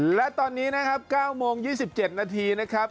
และตอนนี้นะครับ๙โมง๒๗นาทีนะครับ